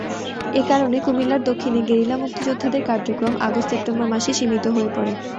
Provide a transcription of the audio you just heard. এ কারণে কুমিল্লার দক্ষিণে গেরিলা মুক্তিযোদ্ধাদের কার্যক্রম আগস্ট-সেপ্টেম্বর মাসে সীমিত হয়ে পড়ে।